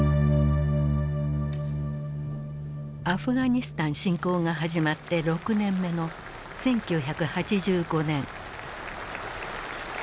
アフガニスタン侵攻が始まって６年目の１９８５年。